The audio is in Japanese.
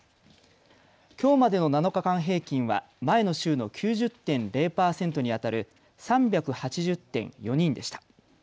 きょうまでの７日間平均は前の週の９０．０％にあたる３８０．４人でした。